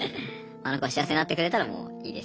あの子が幸せになってくれたらもういいです。